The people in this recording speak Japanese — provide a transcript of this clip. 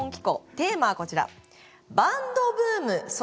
テーマはこちら。